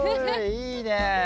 いいね！